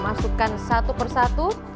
masukkan satu persatu